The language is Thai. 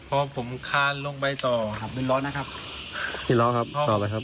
พอผมคานลงไปต่อพี่ร้อนะครับพี่ร้อครับต่อไปครับ